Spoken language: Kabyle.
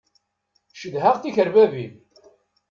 Cedhaɣ tikerbabin.